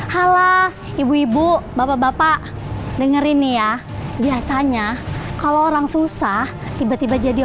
halo ibu ibu bapak bapak dengerin nih ya biasanya kalau orang susah tiba tiba jadi